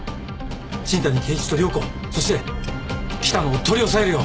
新谷啓一と涼子そして喜多野を取り押さえるよ。